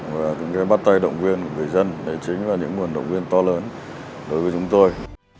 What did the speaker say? và cái bắt tay động viên của người dân đấy chính là những nguồn động viên to lớn đối với chúng tôi